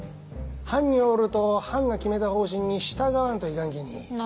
藩におると藩が決めた方針に従わんといかんきに。